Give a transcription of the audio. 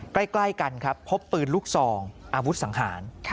ใกล้กันครับพบปืนลูกซองอาวุธสังหาร